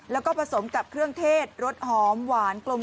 แล้วก็ผสมกับเครื่องเทศรสหอมหวานกลม